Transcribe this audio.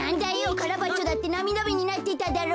カラバッチョだってなみだめになってただろ。